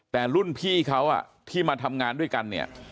แต่รุ่นพี่เขาที่มาทำงานด้วยกันเนี่ย